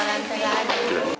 supaya tidak terbalik lagi